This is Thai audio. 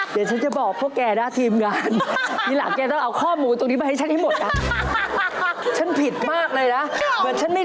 สะสวะของสัตว์ชนิดใดเรื่องแสงได้